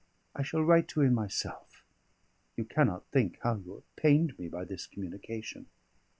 I shall write to him myself. You cannot think how you have pained me by this communication."